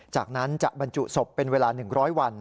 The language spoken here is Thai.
จากนั้นจะบรรจุศพเป็นเวลา๑๐๐วัน